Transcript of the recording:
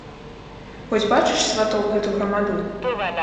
Вось бачыш, сваток, гэту грамаду?